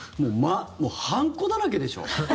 もう判子だらけでしょ。